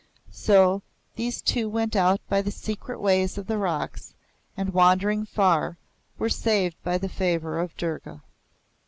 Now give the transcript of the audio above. So those two went out by the secret ways of the rocks, and wandering far, were saved by the favour of Durga.